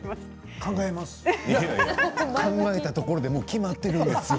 考えたところでもう決まってるんですよ。